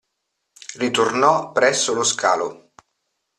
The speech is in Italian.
Ritornò presso lo scalo.